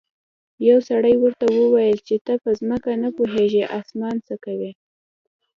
یو سړي ورته وویل چې ته په ځمکه نه پوهیږې اسمان څه کوې.